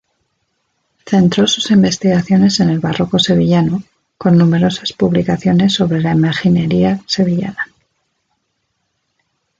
Centró sus investigaciones en el barroco sevillano, con numerosas publicaciones sobre la imaginería sevillana.